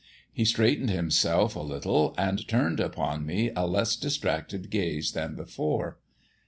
He straightened himself a little, and turned upon me a less distracted gaze than before.